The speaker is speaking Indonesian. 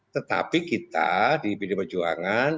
tetapi kita di pd pejuangan